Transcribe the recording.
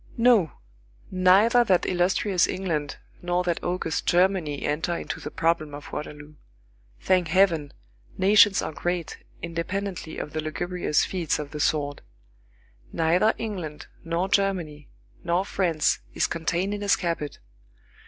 No. Neither that illustrious England nor that august Germany enter into the problem of Waterloo. Thank Heaven, nations are great, independently of the lugubrious feats of the sword. Neither England, nor Germany, nor France is contained in a scabbard.